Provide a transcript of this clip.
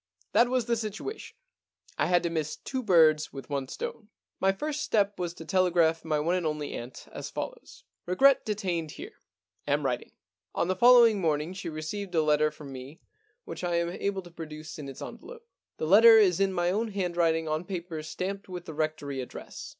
That was the situation. I had to miss two birds with one stone. * My first step was to telegraph to my one and only aunt as follows :Regret detained here. Am writing.'* On the following morn ing she received a letter from me which I am 171 The Problem Club able to produce in its envelope. The letter is in my own handwriting on paper stamped with the Rectory address.